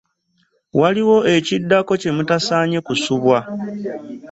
Waliwo ekiddako kye mutasaanye kusubwa.